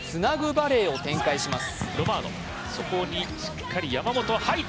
バレーを展開します。